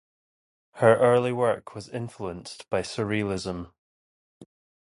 Her early work was influenced by Surrealism.